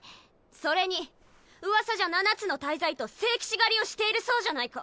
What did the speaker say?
それに噂じゃ七つの大罪と聖騎士狩りをしているそうじゃないか。